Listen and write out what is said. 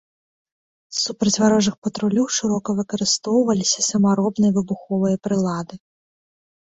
Супраць варожых патрулёў шырока выкарыстоўваліся самаробныя выбуховыя прылады.